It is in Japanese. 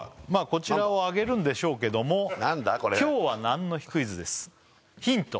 こちらをあげるんでしょうけども今日は何の日クイズです